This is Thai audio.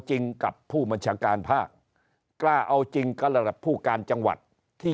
จริงกับผู้บัญชาการภาคกล้าเอาจริงก็ระดับผู้การจังหวัดที่